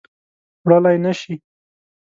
وړلای نه شي